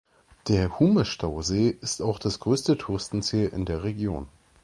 Der Hume-Stausee ist auch das größte Touristenziel in der Region.